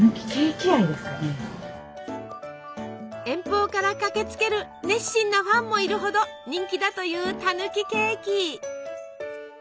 遠方から駆けつける熱心なファンもいるほど人気だというたぬきケーキ。